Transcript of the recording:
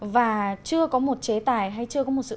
và chưa có một chế tài hay chưa có một sự quyết định